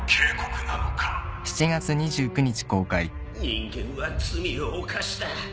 人間は罪を犯した。